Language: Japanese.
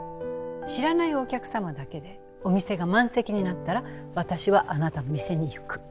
知らないお客様だけでお店が満席になったら私はあなたの店に行く。